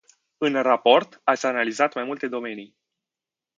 În raport ați analizat mai multe domenii.